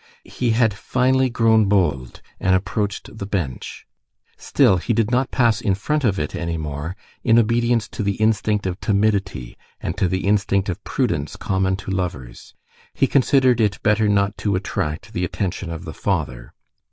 He had finally grown bold, and approached the bench. Still, he did not pass in front of it any more, in obedience to the instinct of timidity and to the instinct of prudence common to lovers. He considered it better not to attract "the attention of the father."